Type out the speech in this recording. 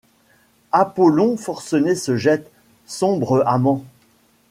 Apollon forcené se jette, sombre amant